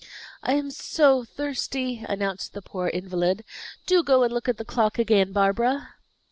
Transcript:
"I am so thirsty!" announced the poor invalid. "Do go and look at the clock again, Barbara."